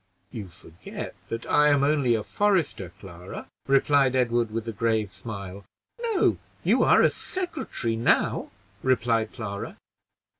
"You forget that I am only a forester, Clara," replied Edward, with a grave smile. "No, you are a secretary now," replied Clara.